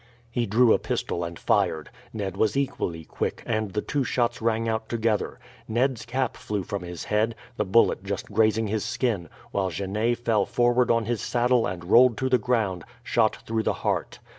He drew a pistol and fired. Ned was equally quick, and the two shots rang out together. Ned's cap flew from his head, the bullet just grazing his skin, while Genet fell forward on his saddle and rolled to the ground, shot through the heart.